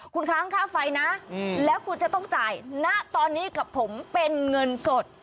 คุณค้างค่าไฟนะแล้วคุณจะต้องจ่ายณตอนนี้กับผมเป็นเงินสด